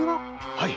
はい！